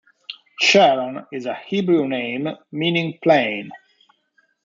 Sharon is a Hebrew name meaning "plain".